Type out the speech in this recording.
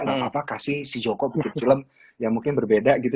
gak apa apa kasih si joko bikin film yang mungkin berbeda gitu